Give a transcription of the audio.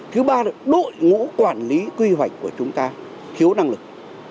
thứ ba là đội ngũ quản lý quy hoạch của chúng ta thiếu năng lực